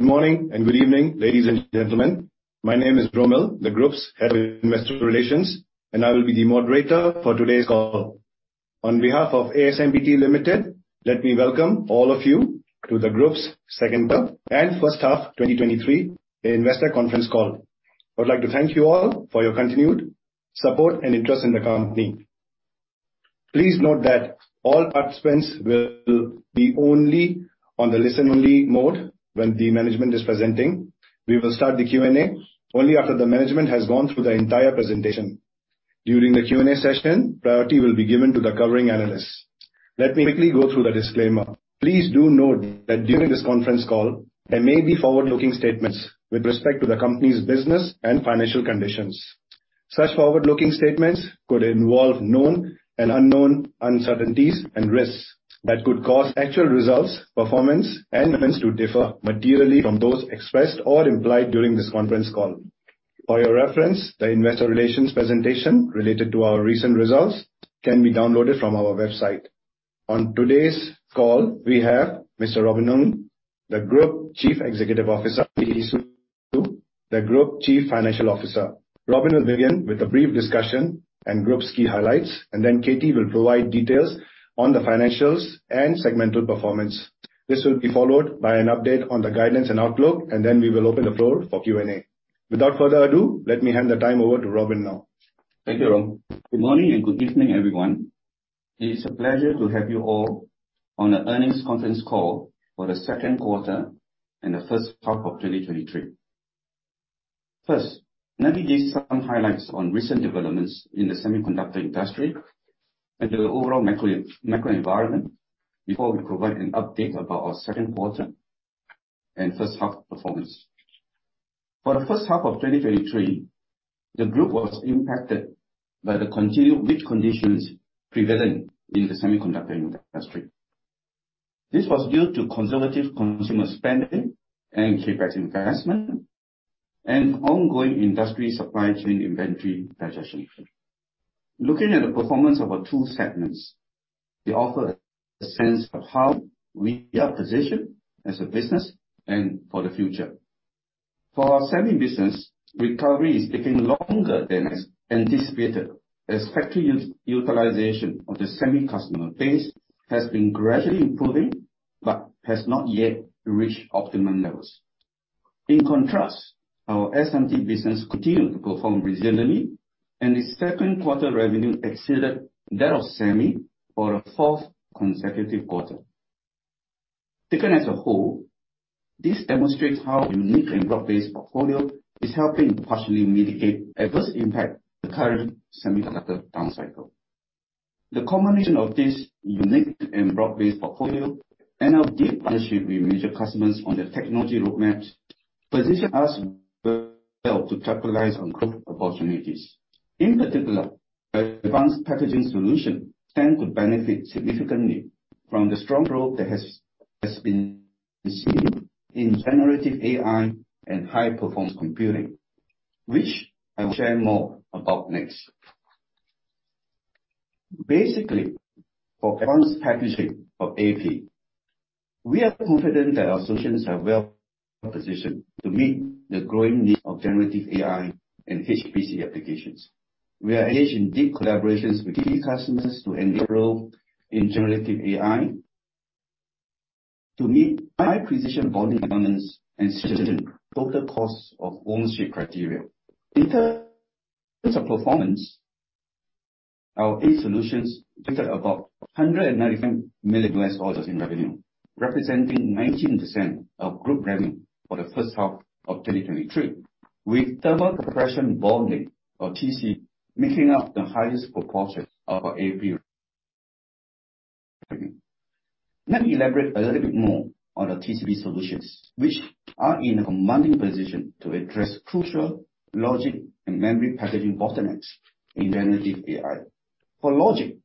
Good morning, and good evening, ladies and gentlemen. My name is Romil, the group's Head of Investor Relations, and I will be the moderator for today's call. On behalf of ASMPT Limited, let me welcome all of you to the group's second call and first half 2023 investor conference call. I would like to thank you all for your continued support and interest in the company. Please note that all participants will be only on the listen-only mode when the management is presenting. We will start the Q&A only after the management has gone through the entire presentation. During the Q&A session, priority will be given to the covering analysts. Let me quickly go through the disclaimer. Please do note that during this conference call, there may be forward-looking statements with respect to the company's business and financial conditions. Such forward-looking statements could involve known and unknown uncertainties and risks that could cause actual results, performance and events to differ materially from those expressed or implied during this conference call. For your reference, the investor relations presentation related to our recent results can be downloaded from our website. On today's call, we have Mr. Robin Ng, the Group Chief Executive Officer, Katy Xu, the Group Chief Financial Officer. Robin will begin with a brief discussion and group's key highlights, and then Katy will provide details on the financials and segmental performance. This will be followed by an update on the guidance and outlook, and then we will open the floor for Q&A. Without further ado, let me hand the time over to Robin now. Thank you, Romil. Good morning, and good evening, everyone. It's a pleasure to have you all on the earnings conference call for the second quarter and the first half of 2023. First, let me give some highlights on recent developments in the semiconductor industry and the overall macro environment before we provide an update about our second quarter and first half performance. For the first half of 2023, the group was impacted by the continued weak conditions prevailing in the semiconductor industry. This was due to conservative consumer spending and CapEx investment and ongoing industry supply chain inventory digestion. Looking at the performance of our two segments, they offer a sense of how we are positioned as a business and for the future. For our Semi business, recovery is taking longer than anticipated, as factory utilization of the Semi customer base has been gradually improving, but has not yet reached optimum levels. In contrast, our SMT business continued to perform resiliently, and the second quarter revenue exceeded that of Semi for a fourth consecutive quarter. Taken as a whole, this demonstrates how a unique and broad-based portfolio is helping to partially mitigate adverse impact the current semiconductor down cycle. The combination of this unique and broad-based portfolio and our deep partnership with major customers on the technology roadmap, position us well to capitalize on growth opportunities. In particular, our advanced packaging solution stand to benefit significantly from the strong growth that has been seen in generative AI and high-performance computing, which I will share more about next. Basically, for advanced packaging of AP, we are confident that our solutions are well positioned to meet the growing need of generative AI and HPC applications. We are engaged in deep collaborations with key customers to enable in generative AI to meet high-precision bonding requirements and total costs of ownership criteria. In terms of performance, our AP solutions delivered about $190 million in revenue, representing 19% of group revenue for the first half of 2023, with thermal compression bonding, or TCB, making up the highest proportion of our AP. Let me elaborate a little bit more on the TCB solutions, which are in a commanding position to address crucial logic and memory packaging bottlenecks in generative AI. For logic,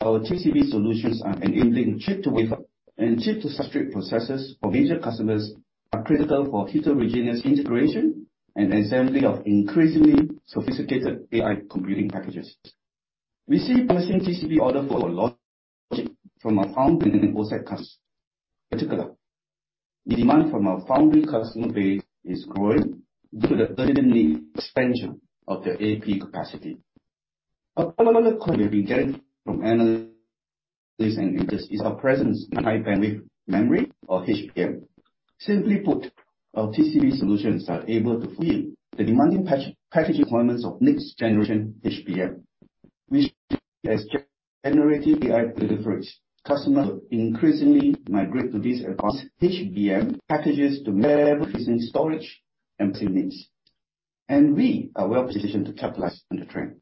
our TCB solutions are enabling Chip-to-Wafer and Chip-to-Substrate processes for major customers, are critical for heterogeneous integration and assembly of increasingly sophisticated AI computing packages. We see persistent TCB order for logic from our foundry and OSAT customer. In particular, the demand from our foundry customer base is growing due to the expansion of their AP capacity. Another query we get from analysts and industry is our presence in high-bandwidth memory, or HBM. Simply put, our TCB solutions are able to fill the demanding packaging requirements of next-generation HBM, which as generative AI delivers, customers will increasingly migrate to these advanced HBM packages to meet their increasing storage and performance needs. We are well positioned to capitalize on the trend.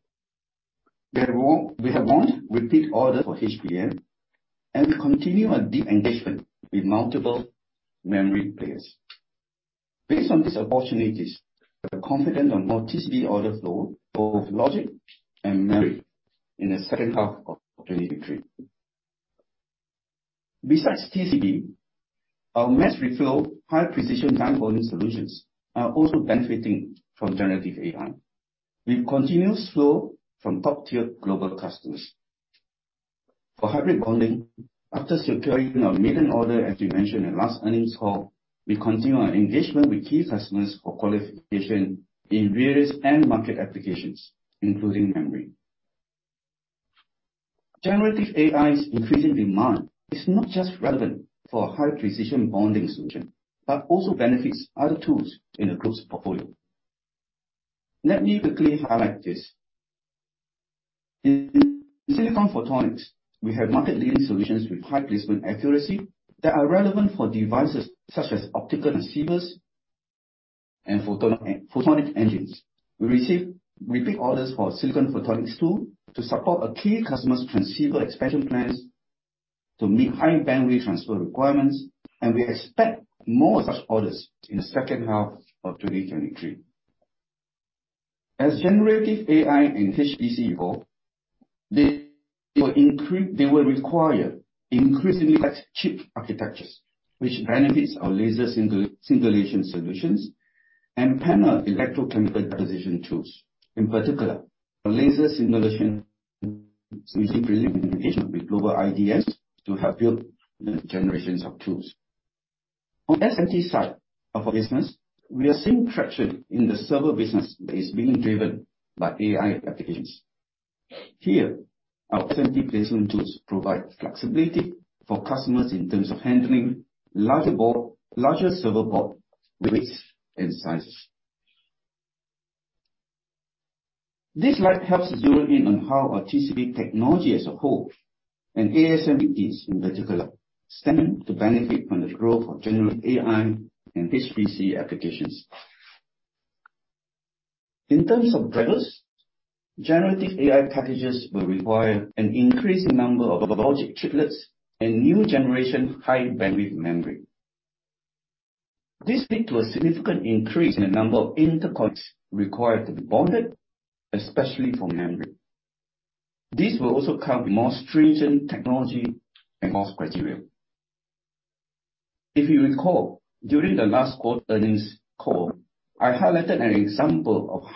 We have won repeat orders for HBM, and we continue our deep engagement with multiple memory players. Based on these opportunities, we're confident on more TCB order flow for both logic and memory in the second half of 2023. Besides TCB, our mass reflow, high-precision bond solutions are also benefiting from generative AI. We've continued flow from top-tier global customers. For hybrid bonding, after securing our maiden order, as we mentioned in last earnings call, we continue our engagement with key customers for qualification in various end-market applications, including memory. Generative AI's increasing demand is not just relevant for a high-precision bonding solution, but also benefits other tools in the group's portfolio. Let me quickly highlight this. In Silicon Photonics, we have market-leading solutions with high placement accuracy that are relevant for devices such as optical receivers and photonic engines. We received repeat orders for Silicon Photonics tool to support a key customer's transceiver expansion plans to meet high bandwidth transfer requirements, and we expect more such orders in the second half of 2023. As generative AI and HPC evolve, they will require increasingly less chip architectures, which benefits our laser singulation solutions and panel electrochemical deposition tools. In particular, the laser singulation, we recently communication with global IDMs to help build the generations of tools. On SMT side of our business, we are seeing traction in the server business that is being driven by AI applications. Here, our 20 placement tools provide flexibility for customers in terms of handling larger server board widths and sizes. This slide helps to zero in on how our TCB technology as a whole, and ASMPT is, in particular, standing to benefit from the growth of generative AI and HPC applications. In terms of drivers, generative AI packages will require an increased number of logic chiplets and new generation high-bandwidth memory. This led to a significant increase in the number of interconnects required to be bonded, especially for memory. This will also come with more stringent technology and cost criteria. If you recall, during the last quarter earnings call, I highlighted an example of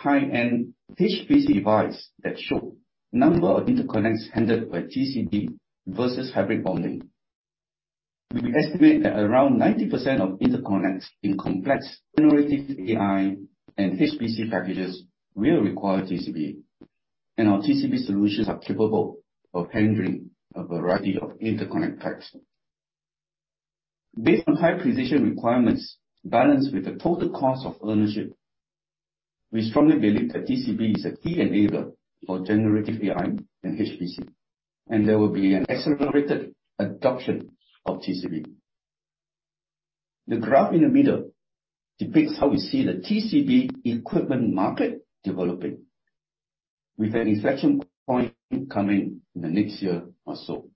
high-end HPC device that showed number of interconnects handled by TCB versus hybrid bonding. We estimate that around 90% of interconnects in complex generative AI and HPC packages will require TCB. Our TCB solutions are capable of handling a variety of interconnect types. Based on high-precision requirements balanced with the total cost of ownership, we strongly believe that TCB is a key enabler for generative AI and HPC. There will be an accelerated adoption of TCB. The graph in the middle depicts how we see the TCB equipment market developing, with an inflection point coming in the next year or so.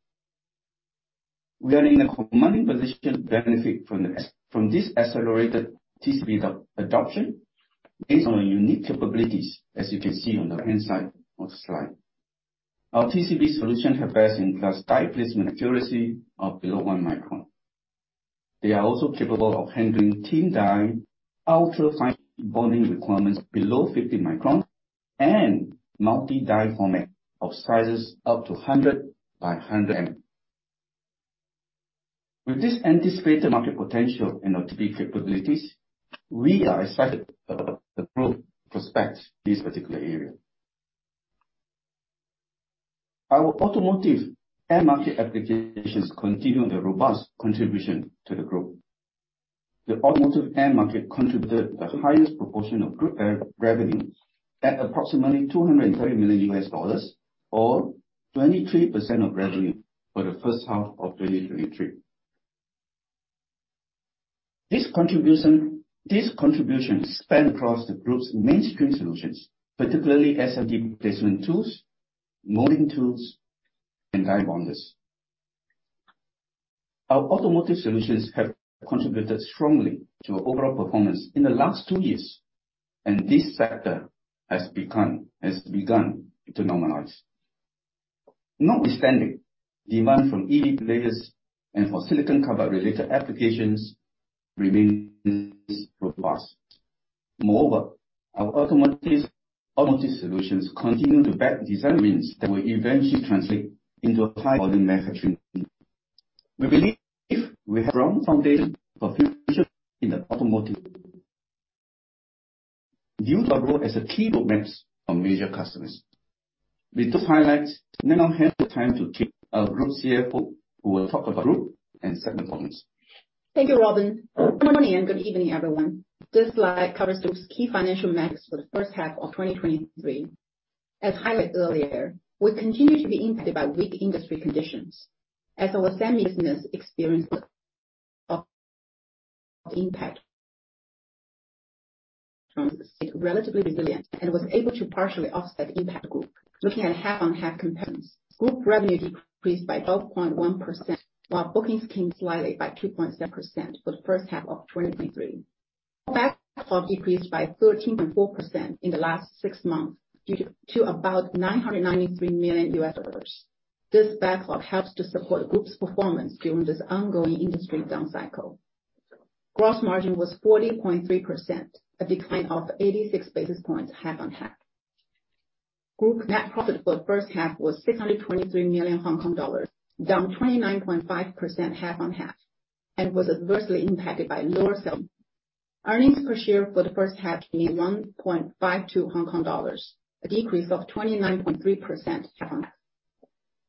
We are in a commanding position to benefit from this accelerated TCB adoption based on our unique capabilities, as you can see on the right-hand side of the slide. Our TCB solution have best-in-class die placement accuracy of below one micron. They are also capable of handling thin die, ultra-fine bonding requirements below 50 microns, and multi-die format of sizes up to 100 by 100 micron. With this anticipated market potential and our TCB capabilities, we are excited about the growth prospects in this particular area. Our automotive end-market applications continue the robust contribution to the group. The automotive end market contributed the highest proportion of group revenue at approximately $230 million, or 23% of revenue for the first half of 2023. This contribution span across the group's mainstream solutions, particularly SMT placement tools, molding tools, and die bonders. Our automotive solutions have contributed strongly to our overall performance in the last two years, and this sector has begun to normalize. Notwithstanding, demand from EV players and for Silicon Carbide-related applications remains robust. Moreover, our automotive solutions continue to back design wins that will eventually translate into a high volume manufacturing. We believe we have a strong foundation for future in the automotive, due to our role as a key roadmaps for major customers. With those highlights, may now have the time to keep our Group CFO, who will talk about group and segment performance. Thank you, Robin. Good morning, good evening, everyone. This slide covers the key financial metrics for the first half of 2023. As highlighted earlier, we continue to be impacted by weak industry conditions, as our semi business Is relatively resilient and was able to partially offset the impact group. Looking at half-on-half comparisons, group revenue decreased by 12.1%, while bookings came slightly by 2.7% for the first half of 2023. Backlog decreased by 13.4% in the last six months, due to about $993 million. This backlog helps to support the group's performance during this ongoing industry down cycle. Gross margin was 40.3%, a decline of 86 basis points half-on-half. Group net profit for the first half was 623 million Hong Kong dollars, down 29.5% half-on-half, and was adversely impacted by lower sales. Earnings per share for the first half were 1.52 Hong Kong dollars, a decrease of 29.3% half-on-half.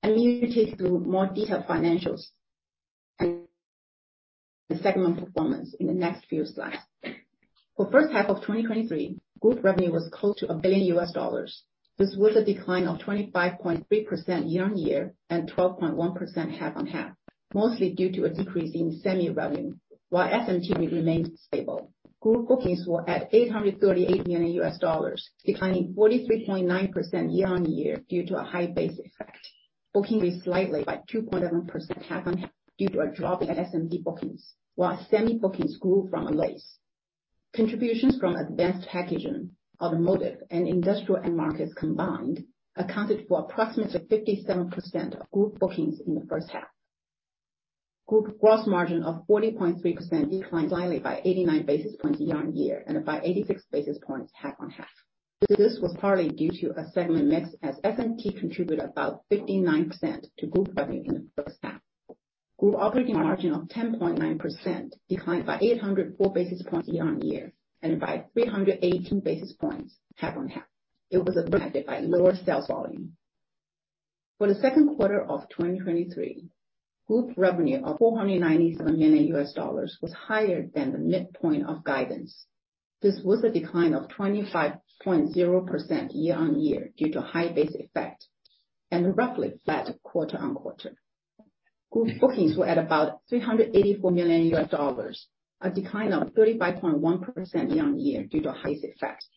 I'll lead you through more detailed financials and the segment performance in the next few slides. For first half of 2023, group revenue was close to $1 billion. This was a decline of 25.3% year-on-year and 12.1% half-on-half, mostly due to a decrease in semi revenue, while SMT remains stable. Group bookings were at $838 million, declining 43.9% year-on-year due to a high base effect. Booking was slightly by 2.7% half-on-half due to a drop in SMT bookings, while semi bookings grew from a loss. Contributions from advanced packaging, automotive, and industrial end markets combined accounted for approximately 57% of group bookings in the first half. Group gross margin of 40.3% declined slightly by 89 basis points year-on-year and by 86 basis points half-on-half. This was partly due to a segment mix, as SMT contributed about 59% to group revenue in the first half. Group operating margin of 10.9% declined by 804 basis points year-on-year, and by 318 basis points half-on-half. It was affected by lower sales volume. For the second quarter of 2023, group revenue of $497 million was higher than the midpoint of guidance. This was a decline of 25.0% year-on-year, due to high base effect, and roughl y flat quarter-on-quarter. Group bookings were at about $384 million, a decline of 35.1% year-on-year due to highest effects,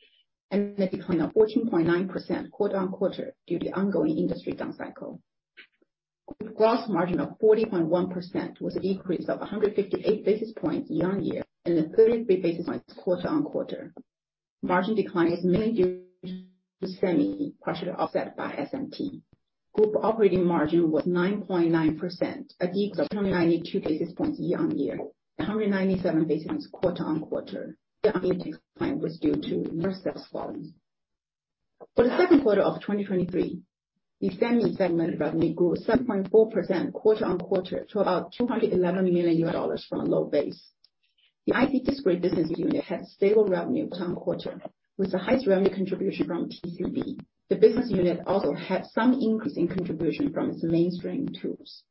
and a decline of 14.9% quarter-on-quarter due to ongoing industry down cycle. Gross margin of 40.1% was an increase of 158 basis points year-on-year and 33 basis points quarter-on-quarter. Margin decline is mainly due to semi partially offset by SMT. Group operating margin was 9.9%, a decrease of 192 basis points year-on-year, and 197 basis points quarter-on-quarter. The decline was due to lower sales volume. For the second quarter of 2023, the semi segment revenue grew 7.4% quarter-on-quarter to about $211 million from a low base. The IC/Discrete business unit had stable revenue quarter-on-quarter, with the highest revenue contribution from TCB. The business unit also had some increase in contribution from its mainstream tools.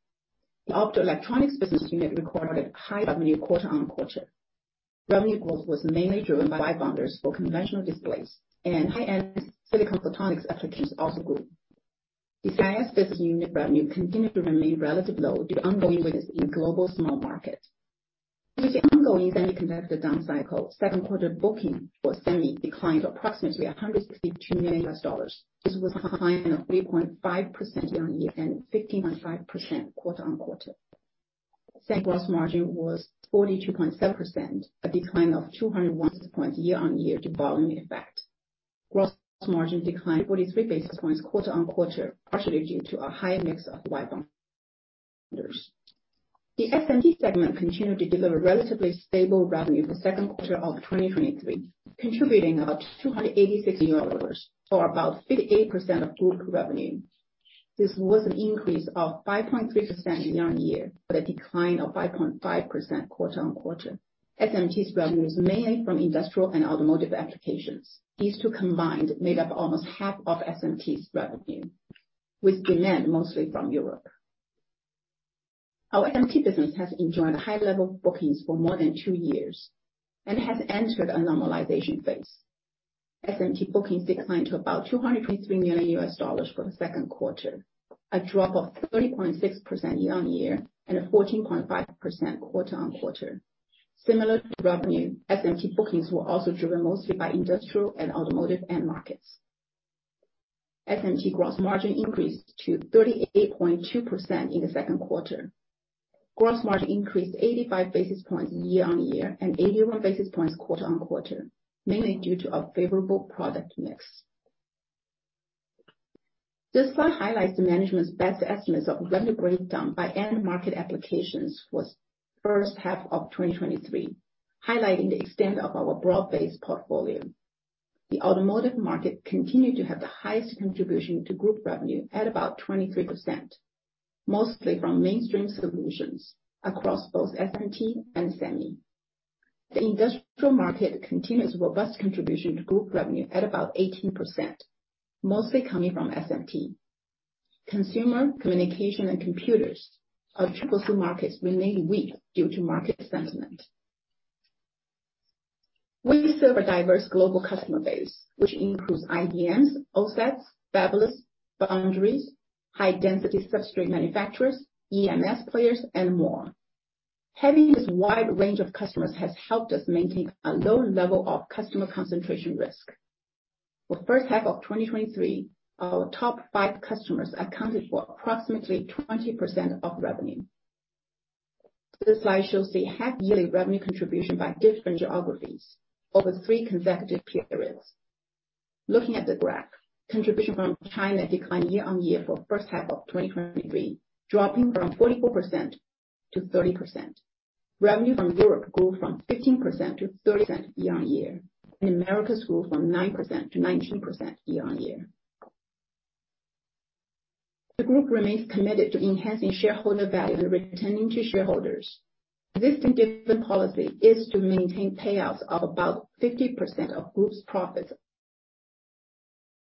The Optoelectronics business unit recorded high revenue quarter-on-quarter. Revenue growth was mainly driven by wire bonders for conventional displays, and high-end Silicon Photonics applications also grew. The CIS unit revenue continued to remain relatively low due to ongoing weakness in global smartphone market. With the ongoing semiconductor down cycle, second quarter booking for semi declined approximately $162 million. This was a decline of 3.5% year-on-year and 15.5% quarter-on-quarter. Semi gross margin was 42.7%, a decline of 201 points year-on-year due to volume effect. Gross margin declined 43 basis points quarter-on-quarter, partially due to a higher mix of wire bonders. The SMT segment continued to deliver relatively stable revenue for the second quarter of 2023, contributing about $286 million, or about 58% of group revenue. This was an increase of 5.3% year-on-year, but a decline of 5.5% quarter-on-quarter. SMT's revenue is mainly from industrial and automotive applications. These two combined made up almost half of SMT's revenue, with demand mostly from Europe. Our SMT business has enjoyed high level bookings for more than two years and has entered a normalization phase. SMT bookings declined to about $223 million for the second quarter, a drop of 30.6% year-on-year, and a 14.5% quarter-on-quarter. Similar to revenue, SMT bookings were also driven mostly by industrial and automotive end markets. SMT gross margin increased to 38.2% in the second quarter. Gross margin increased 85 basis points year-over-year, and 81 basis points quarter-over-quarter, mainly due to a favorable product mix. This slide highlights the management's best estimates of revenue breakdown by end market applications for the first half of 2023, highlighting the extent of our broad-based portfolio. The automotive market continued to have the highest contribution to group revenue at about 23%, mostly from mainstream solutions across both SMT and semi. The industrial market continues robust contribution to group revenue at about 18%, mostly coming from SMT. Consumer, communication, and computers, our triple C markets, remain weak due to market sentiment. We serve a diverse global customer base, which includes IDMs, OSATs, fabless, foundries, high-density substrate manufacturers, EMS players, and more. Having this wide range of customers has helped us maintain a low level of customer concentration risk. For first half of 2023, our top five customers accounted for approximately 20% of revenue. This slide shows the half-yearly revenue contribution by different geographies over three consecutive periods. Looking at the graph, contribution from China declined year-on-year for first half of 2023, dropping from 44% to 30%. Revenue from Europe grew from 15% to 30% year-on-year, and Americas grew from 9% to 19% year-on-year. The group remains committed to enhancing shareholder value, returning to shareholders. This dividend policy is to maintain payouts of about 50% of group's profits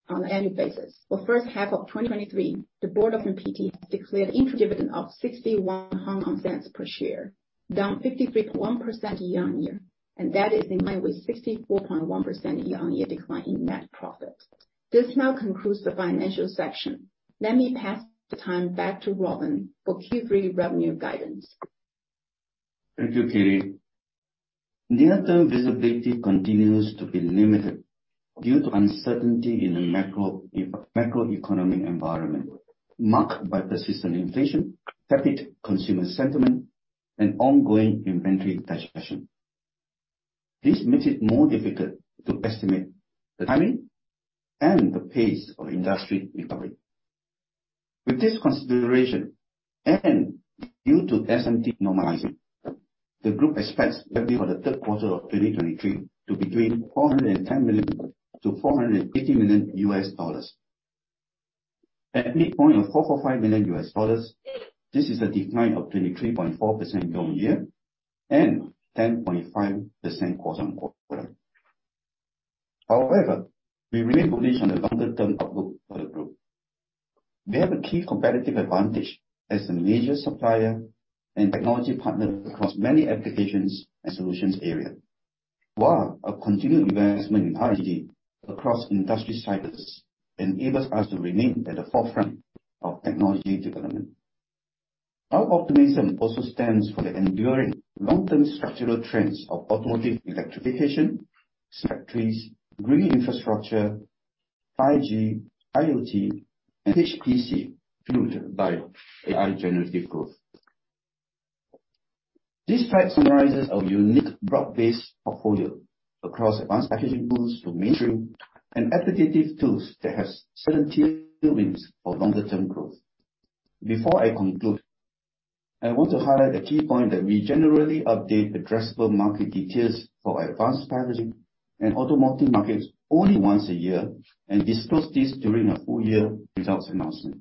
on an annual basis. For first half of 2023, the Board of ASMPT declared interim dividend of 0.61 per share, down 53.1% year-on-year. That is in line with 64.1% year-on-year decline in net profit. This now concludes the financial section. Let me pass the time back to Robin for Q3 revenue guidance. Thank you, Katy. Near-term visibility continues to be limited due to uncertainty in the macroeconomic environment, marked by persistent inflation, tepid consumer sentiment, and ongoing inventory correction. This makes it more difficult to estimate the timing and the pace of industry recovery. With this consideration, and due to SMT normalizing, the group expects revenue for the third quarter of 2023 to between $410 million-$480 million. At midpoint of $445 million, this is a decline of 23.4% year-on-year, and 10.5% quarter-on-quarter. We remain bullish on the longer-term outlook for the group. We have a key competitive advantage as the major supplier and technology partner across many applications and solutions area, while a continued investment in R&D across industry cycles enables us to remain at the forefront of technology development. Our optimism also stands for the enduring long-term structural trends of automotive electrification, factories, green infrastructure, 5G, IoT, and HPC, fueled by AI generative growth. This slide summarizes our unique broad-based portfolio across advanced packaging tools to mainstream and additive tools that have certain tailwinds for longer term growth. Before I conclude, I want to highlight a key point that we generally update addressable market details for advanced packaging and automotive markets only once a year, and disclose this during a full year results announcement.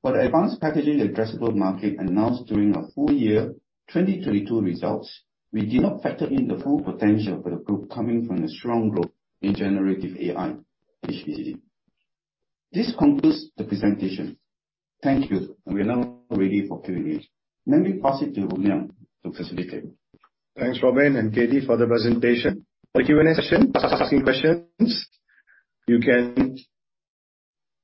For the advanced packaging addressable market announced during our full year 2022 results, we did not factor in the full potential for the group coming from the strong growth in generative AI, HPC. This concludes the presentation. Thank you. We are now ready for Q&A. Let me pass it to Romil to facilitate. Thanks, Robin and Katy, for the presentation. For Q&A session, asking questions, you can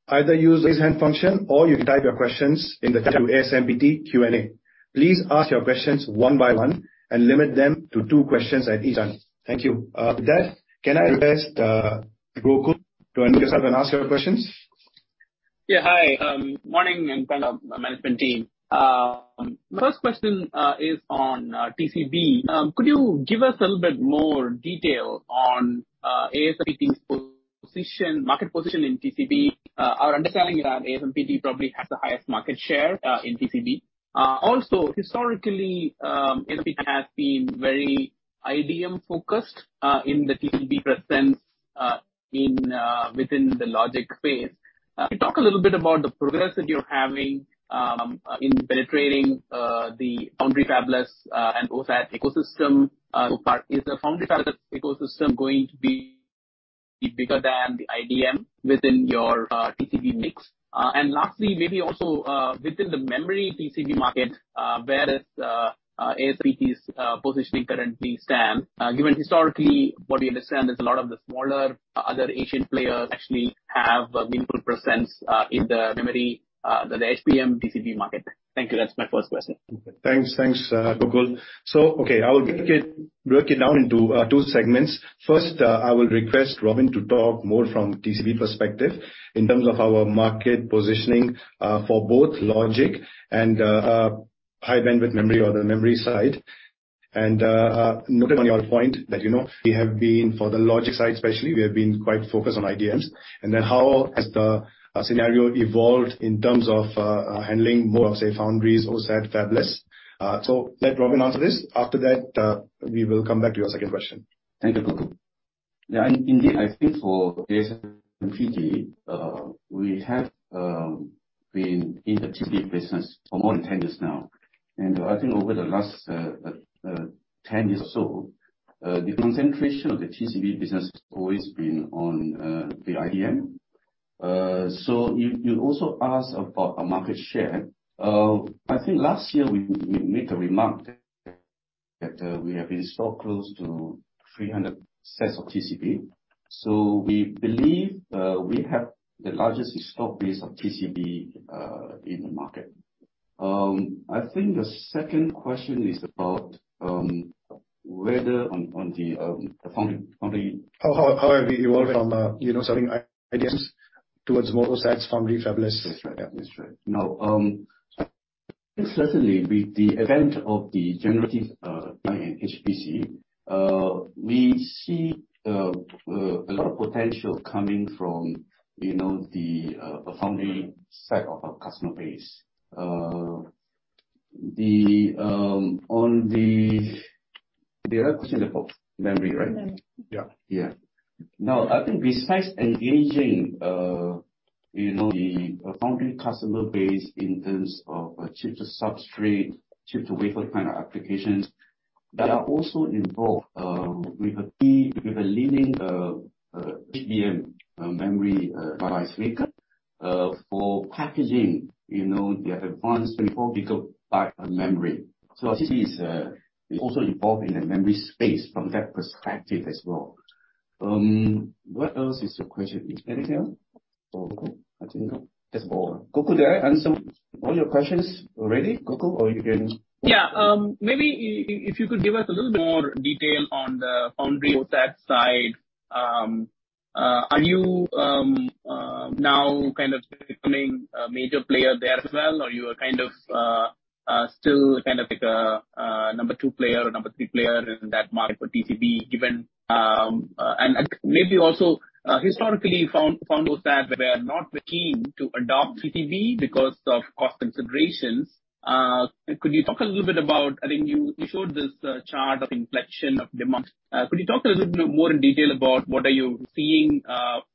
either use Raise Hand function, or you can type your questions in the ASMPT Q&A. Please ask your questions one by one and limit them to two questions at each time. Thank you. With that, can I request Gokul to introduce yourself and ask your questions? Yeah. Hi, morning and panel, management team. My first question is on TCB. Could you give us a little bit more detail on ASMPT's position, market position in TCB? Our understanding is that ASMPT probably has the highest market share in TCB. Also historically, ASMPT has been very IDM-focused in the TCB presence in within the logic space. Can you talk a little bit about the progress that you're having in penetrating the foundry fabless and OSAT ecosystem? Is the foundry fabless ecosystem going to be bigger than the IDM within your TCB mix? And lastly, maybe also within the memory TCB market, where is ASMPT's positioning currently stand? Given historically, what we understand, is a lot of the smaller, other Asian players actually have a meaningful presence, in the memory, the HBM TCB market. Thank you. That's my first question. Thanks. Thanks, Gokul. Okay, I will break it down into two segments. First, I will request Robin to talk more from TCB perspective in terms of our market positioning for both logic and high bandwidth memory or the memory side. Noting on your point that, you know, we have been, for the logic side especially, we have been quite focused on IDMs, then how has the scenario evolved in terms of handling more of, say, foundries, OSAT, fabless. Let Robin answer this. After that, we will come back to your second question. Thank you, Gokul. Yeah, indeed, I think for ASMPT, we have been in the TCB business for more than 10 years now, and I think over the last 10 years or so, the concentration of the TCB business has always been on the IDM. You also asked about our market share. I think last year we made a remark that we have installed close to 300 sets of TCB, so we believe we have the largest installed base of TCB in the market. I think the second question is about whether on the foundry. How have we evolved from, you know, serving IDMs towards more OSATs, foundry, fabless? That's right. That's right. Now, Yes, certainly, with the event of the generative AI and HPC, we see a lot of potential coming from, you know, the foundry side of our customer base. On the other question about memory, right? Memory. Yeah. Yeah. Now, I think besides engaging, you know, the foundry customer base in terms of Chip-to-Substrate, Chip-to-Wafer kind of applications, they are also involved with a leading HBM memory device maker for packaging, you know, the advanced 24 GB of memory. TCB is also involved in the memory space from that perspective as well. What else is your question? Is anything else or I didn't know. That's all. Gokul, did I answer all your questions already, Gokul, or you getting? Yeah. Maybe if you could give us a little more detail on the foundry OSAT side. Are you now kind of becoming a major player there as well, or you are kind of still kind of like a number two player or number three player in that market for TCB, given? Maybe also historically found those that were not very keen to adopt TCB because of cost considerations. Could you talk a little bit about, I think you showed this chart of inflection of demand? Could you talk a little bit more in detail about what are you seeing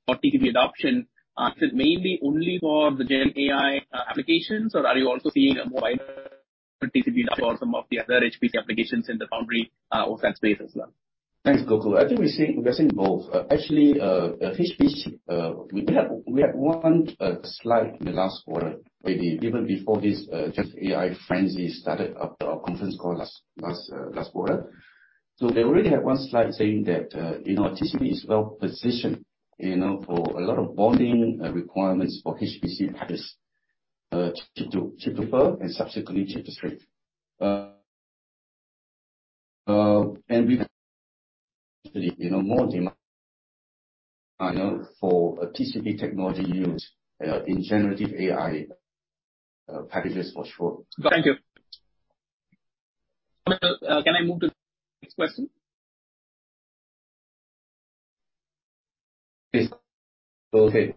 for TCB adoption? Is it mainly only for the Gen AI applications, or are you also seeing a more wider TCB for some of the other HPC applications in the foundry, OSAT space as well? Thanks, Gokul. I think we're seeing both. Actually, HPC, we had one slide in the last quarter, maybe even before this Gen AI frenzy started up our conference call last quarter. They already had one slide saying that, you know, TCB is well positioned, you know, for a lot of bonding requirements for HPC packages, Chip-to-Wafer and subsequently Chip-to-Substrate. We, you know, more demand, you know, for a TCB technology use, in generative AI packages for sure. Thank you. Can I move to the next question? Please. Okay.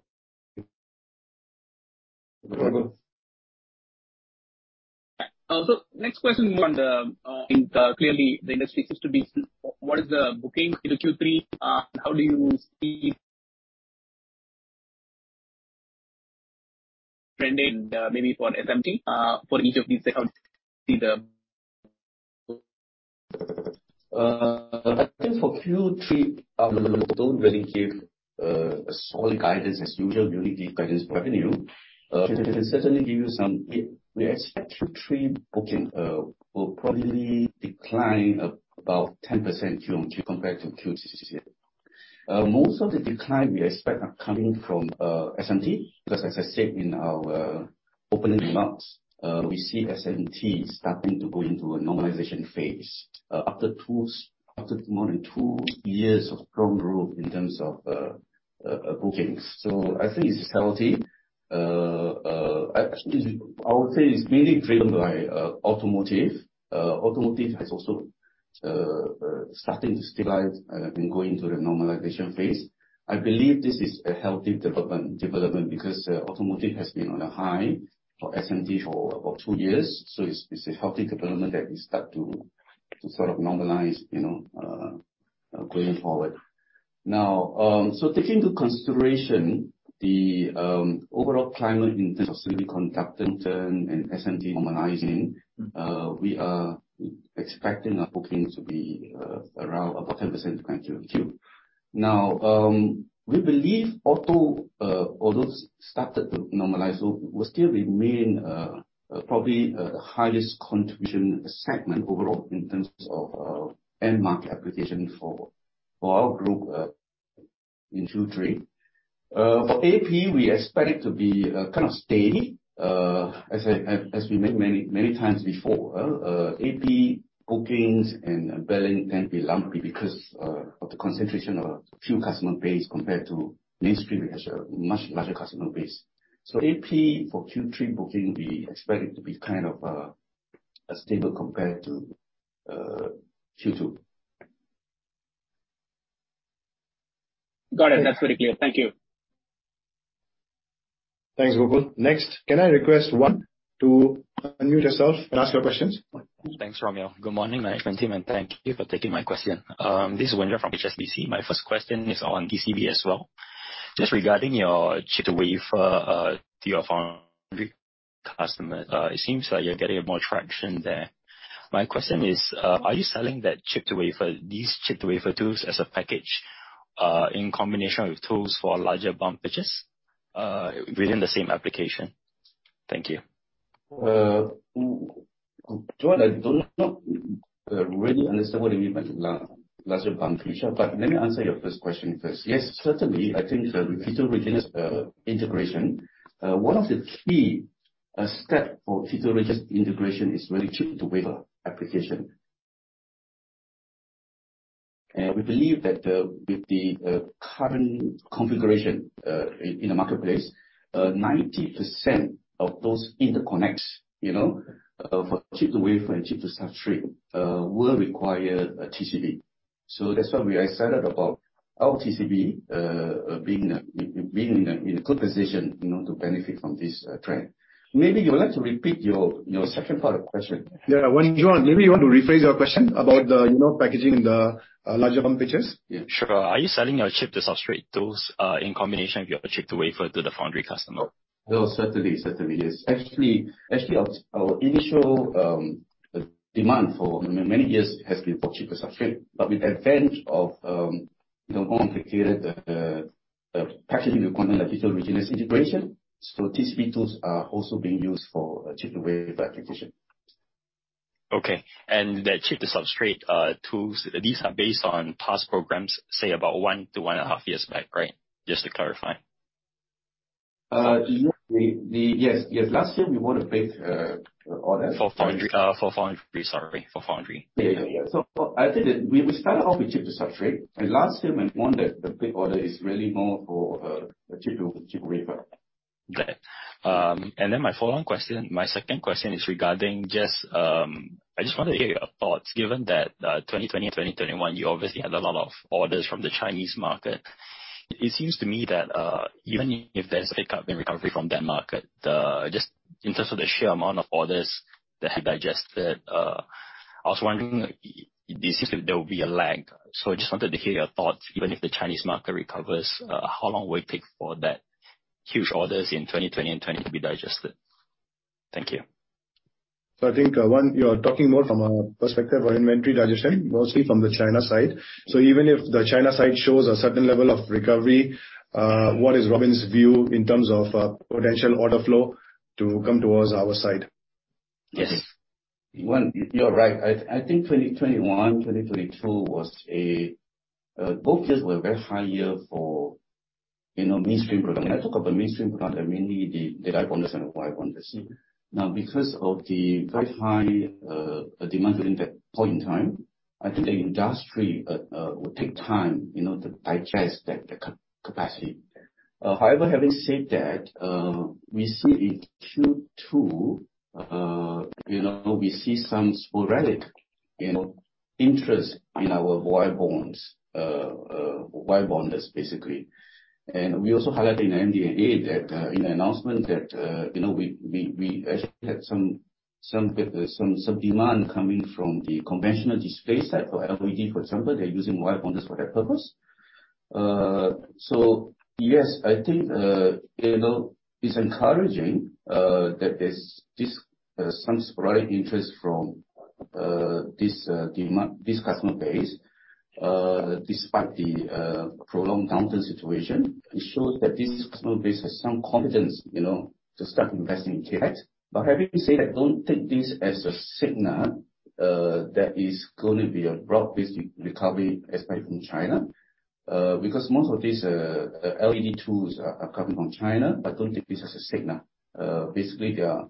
Next question on the, clearly, the industry seems to be, what is the booking in Q3? How do you see trending, maybe for SMT, for each of these. I think for Q3, don't really give a solid guidance as usual, we only give guidance for revenue. We expect Q3 booking will probably decline about 10% Q-on-Q, compared to QCC. Most of the decline we expect are coming from SMT, because as I said in our opening remarks, we see SMT starting to go into a normalization phase after more than two years of strong growth in terms of bookings. I think it's healthy. Actually, I would say it's mainly driven by automotive. Automotive has also starting to stabilize and going into the normalization phase. I believe this is a healthy development because automotive has been on a high for SMT for about two years, so it's a healthy development that we start to sort of normalize, you know, going forward. Taking into consideration the overall climate in terms of semiconductor and SMT normalizing, we are expecting our bookings to be around about 10% than Q2. We believe auto, although started to normalize, will still remain probably the highest contribution segment overall in terms of end market application for our group in 2023. For AP, we expect it to be kind of steady. As we mentioned many times before, AP bookings and billing can be lumpy because of the concentration of a few customer base compared to mainstream, which has a much larger customer base. AP, for Q3 booking, we expect it to be kind of stable compared to Q2. Got it. That's very clear. Thank you. Thanks, Gokul. Next, can I request one to unmute yourself and ask your questions? Thanks, Romil. Good morning, management team, and thank you for taking my question. This is Wan Duan from HSBC. My first question is on TCB as well. Just regarding your Chip-to-Wafer to your customer, it seems like you're getting more traction there. My question is, are you selling that Chip-to-Wafer, these Chip-to-Wafer tools as a package, in combination with tools for larger bump pitches, within the same application? Thank you. Wan jian, I do not really understand what you mean by larger bump pitcher, but let me answer your first question first. Yes, certainly, I think the integrated integration, one of the key step for integrated integration is really Chip-to-Wafer application. We believe that the, with the current configuration, in the marketplace, 90% of those interconnects, you know, for Chip-to-Wafer and Chip-to-Substrate, will require a TCB. That's why we are excited about our TCB being in a good position, you know, to benefit from this trend. Maybe you would like to repeat your second part of the question? Wan Duan, maybe you want to rephrase your question about the, you know, packaging the larger bond pitches? Yeah. Sure. Are you selling your Chip-to-Substrate tools, in combination with your Chip-to-Wafer to the foundry customer? Certainly, yes. Actually, our initial demand for many years has been for Chip-to-Substrate. With advent of, you know, more complicated packaging requirement, like heterogeneous integration, TCB tools are also being used for Chip-to-Wafer application. Okay. The Chip-to-Substrate tools, these are based on past programs, say about one to one and a half years back, right? Just to clarify. yes. Last year, we won a big, order- For Foundry, sorry. Yeah, yeah. I think that we started off with Chip-to-Substrate, and last year we won the big order is really more for the Chip-to-Wafer. Got it. My follow-on question, my second question is regarding just, I just want to hear your thoughts. Given that, 2020 and 2021, you obviously had a lot of orders from the Chinese market. It seems to me that, even if there's a pickup in recovery from that market, just in terms of the sheer amount of orders that have digested, I was wondering, it seems like there will be a lag. I just wanted to hear your thoughts, even if the Chinese market recovers, how long will it take for that huge orders in 2020 to be digested? Thank you. I think, one, you're talking more from a perspective of inventory digestion, mostly from the China side. Even if the China side shows a certain level of recovery, what is Robin's view in terms of potential order flow to come towards our side? Yes. Wan, you're right. I think 2021, 2022 was a both years were very high year for, you know, mainstream product. When I talk about the mainstream product, I mean, the bonders and wire bonders. Because of the very high demand during that point in time, I think the industry will take time, you know, to digest that capacity. However, having said that, we see in Q2, you know, we see some sporadic, you know, interest in our Y bonds, wire bonders, basically. We also highlight in the MD&A that in the announcement that, you know, we actually had some demand coming from the conventional display side. For LED, for example, they're using wire bonders for that purpose. Yes, I think, you know, it's encouraging that there's this some sporadic interest from this demand, this customer base. Despite the prolonged downturn situation, it shows that this customer base has some confidence, you know, to start investing in CapEx. Having said that, don't take this as a signal that is gonna be a broad-based recovery aspect from China, because most of these LED tools are coming from China, but don't take this as a signal. Basically they are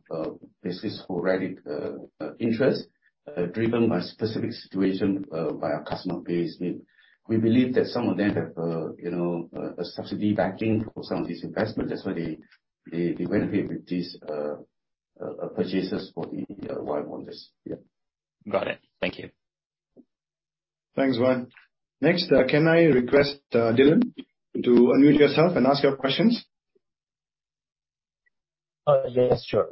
basically sporadic interest driven by specific situation by our customer base. We believe that some of them have, you know, a subsidy backing for some of these investments. That's why they went ahead with these purchases for the wire bonders. Yeah. Got it. Thank you. Thanks, Wan. Next, can I request, Dylan to unmute yourself and ask your questions? Yes, sure.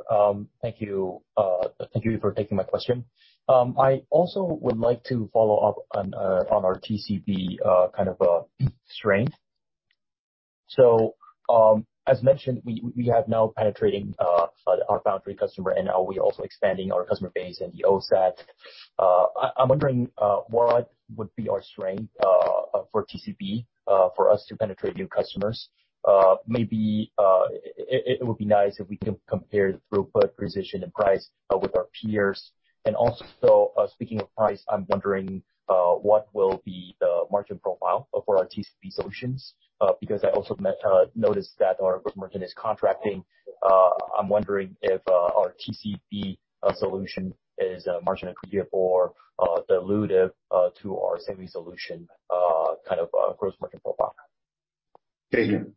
Thank you. Thank you for taking my question. I also would like to follow up on our TCB kind of strength. As mentioned, we have now penetrating our foundry customer, and now we're also expanding our customer base in the OSAT. I'm wondering what would be our strength for TCB for us to penetrate new customers. Maybe it would be nice if we can compare the throughput, precision, and price with our peers. Also, speaking of price, I'm wondering what will be the margin profile for our TCB solutions? Because I also noticed that our margin is contracting. I'm wondering if our TCB solution is margin accretive or dilutive to our semi solution kind of gross margin profile. Thank you.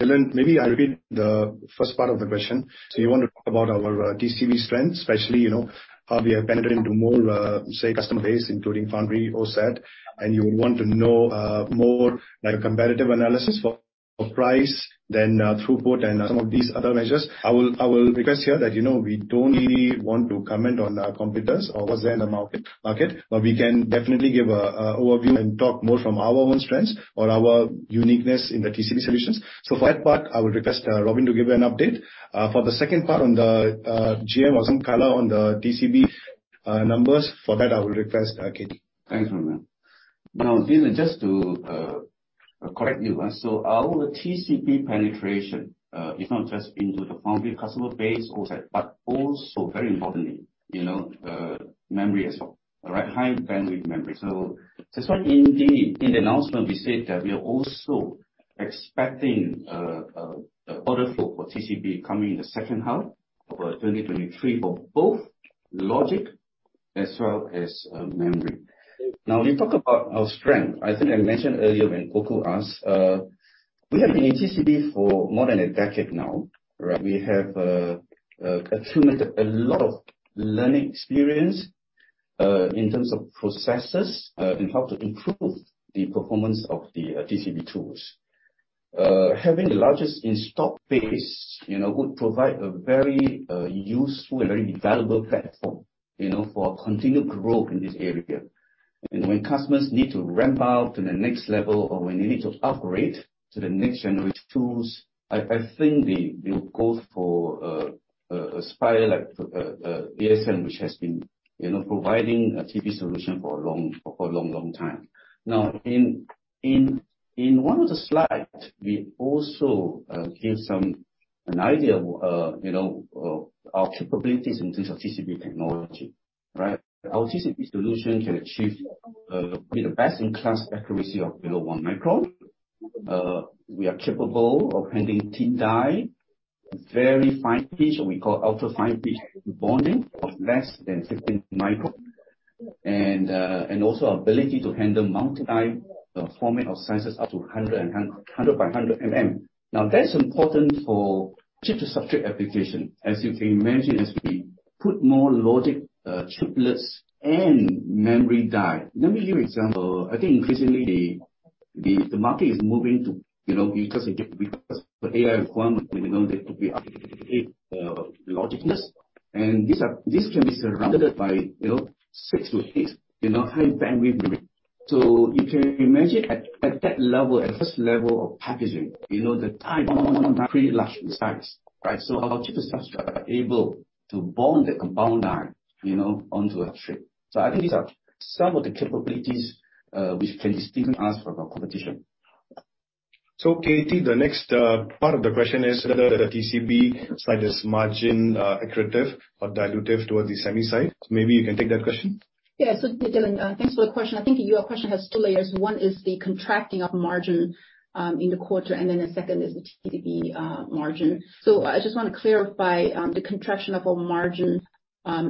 Dylan, maybe I'll repeat the first part of the question. You want to talk about our TCB strength, especially, you know, how we are penetrating into more, say, customer base, including foundry, OSAT, and you want to know more, like, competitive analysis for price, then throughput and some of these other measures. I will request here that, you know, we don't really want to comment on our competitors or what's there in the market, but we can definitely give an overview and talk more from our own strengths or our uniqueness in the TCB solutions. For that part, I would request Robin to give you an update. For the second part on the GM or some color on the TCB numbers, for that, I would request Katy. Thanks, Dylan. Dylan, just to correct you. Our TCB penetration is not just into the foundry customer base, OSAT, but also very importantly, you know, memory as well. All right? High Bandwidth Memory. That's why, indeed, in the announcement, we said that we are also expecting order flow for TCB coming in the second half of 2023 for both logic as well as memory. We talk about our strength. I think I mentioned earlier when Gokul asked, we have been in TCB for more than a decade now, right? We have accumulated a lot of learning experience in terms of processes and how to improve the performance of the TCB tools. Having the largest in-stock base, you know, would provide a very useful and very valuable platform, you know, for our continued growth in this area. When customers need to ramp up to the next level, or when they need to upgrade to the next generation tools, I think they will go for a supplier like ASMPT, which has been, you know, providing a TCB solution for a long, long time. In one of the slides, we also give an idea of, you know, our capabilities in terms of TCB technology, right? Our TCB solution can achieve with the best-in-class accuracy of below 1 micron. We are capable of handling thin die, very fine pitch, what we call ultra fine pitch bonding, of less than 15 micron. Also our ability to handle multi-die format of sizes up to 100 by 100 mm. Now, that's important for Chip-to-Substrate application. As you can imagine, as we put more logic chiplets and memory die... Let me give you example. I think increasingly, the market is moving to, you know, because the AI requirement, you know, there could be logicless. This can be surrounded by, you know, six to eight, you know, high bandwidth. You can imagine at that level, at first level of packaging, you know, the time pretty large in size, right? Our Chip-to-Substrate are able to bond the compound die, you know, onto a chip. I think these are some of the capabilities which can distinguish us from our competition. Katy, the next part of the question is whether the TCB side is margin accretive or dilutive towards the semi side. Maybe you can take that question? Dylan, thanks for the question. I think your question has two layers. One is the contracting of margin in the quarter, and the second is the TCB margin. I just want to clarify, the contraction of our margin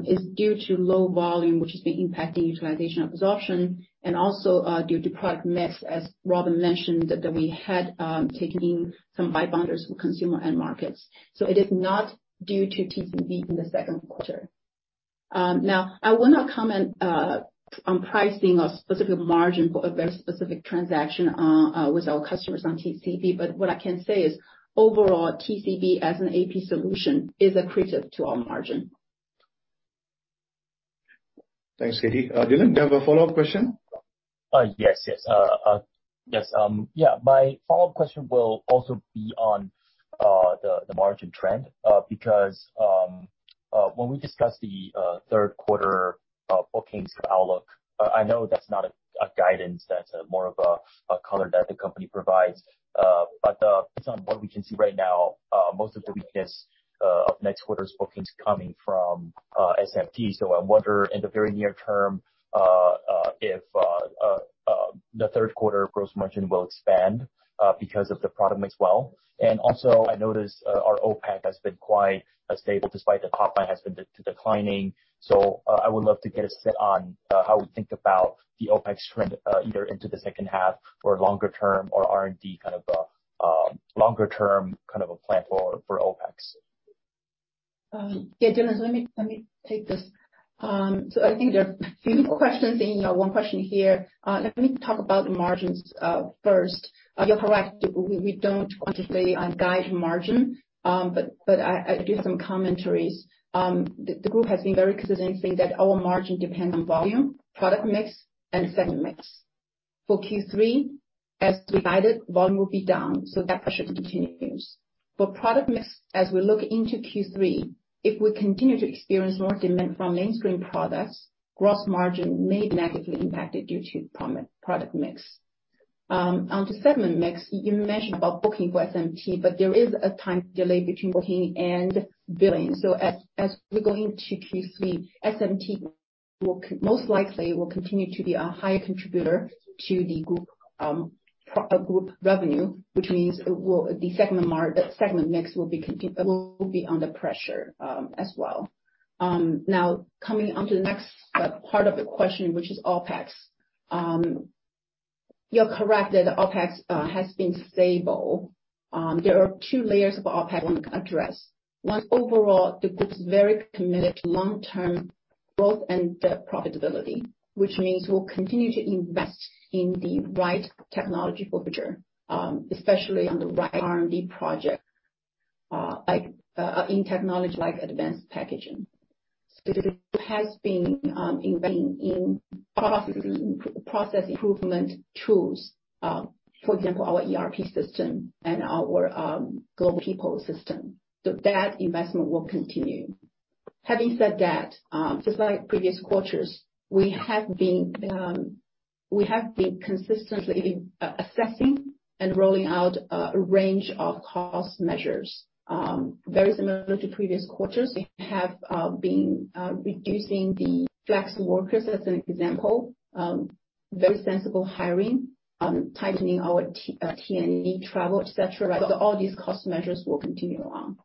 is due to low volume, which has been impacting utilization of absorption, and also due to product mix, as Robin mentioned, that we had taken in some wire bonders from consumer end markets. It is not due to TCB in the second quarter. Now, I will not comment on pricing or specific margin for a very specific transaction with our customers on TCB, but what I can say is, overall, TCB as an AP solution is accretive to our margin. Thanks, Katy. Dylan, do you have a follow-up question? Yes, yes. Yes, yeah, my follow-up question will also be on the margin trend, because when we discussed the third quarter bookings outlook, I know that's not a guidance, that's more of a color that the company provides, but based on what we can see right now, most of the weakness of next quarter's bookings coming from SMT. I wonder, in the very near term, if the third quarter gross margin will expand because of the product mix well. Also, I noticed our OpEx has been quite stable, despite the top line has been declining. I would love to get a sit on how we think about the OpEx trend, either into the second half or longer term, or R&D, kind of a longer term plan for OpEx. Yeah, Dylan, let me take this. I think there are a few questions in one question here. Let me talk about the margins first. You're correct, we don't want to say guide margin, but I'll do some commentaries. The group has been very consistent saying that our margin depends on volume, product mix, and segment mix. For Q3, as we guided, volume will be down, that pressure continues. For product mix, as we look into Q3, if we continue to experience more demand from mainstream products, gross margin may be negatively impacted due to product mix. Onto segment mix, you mentioned about booking for SMT, there is a time delay between booking and billing. As we go into Q3, SMT will most likely will continue to be a higher contributor to the group revenue, which means, well, the segment mix will be under pressure as well. Coming onto the next part of the question, which is OpEx. You're correct that OpEx has been stable. There are two layers of OpEx I want to address. One, overall, the group is very committed to long-term growth and the profitability, which means we'll continue to invest in the right technology for the future, especially on the right R&D project, like in technology, like advanced packaging. It has been investing in processing, process improvement tools, for example, our ERP system and our global people system. That investment will continue. Having said that, just like previous quarters, we have been consistently assessing and rolling out a range of cost measures. Very similar to previous quarters, we have been reducing the flex workers, as an example, very sensible hiring, tightening our T&E travel, et cetera. All these cost measures will continue on.